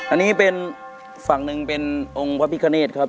อันนี้เป็นฝั่งหนึ่งเป็นพระพิธีครับ